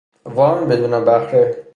وام بدون بهره